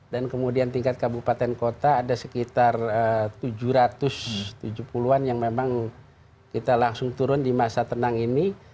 dan kemudian tingkat kabupaten kota ada sekitar tujuh ratus tujuh puluh an yang memang kita langsung turun di masa tenang ini